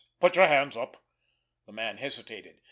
Put your hands up!" The man hesitated.